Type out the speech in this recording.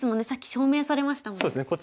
さっき証明されましたもんね。